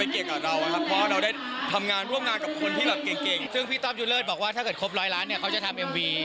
ก็ต้องรอดูต่อไปนะครับ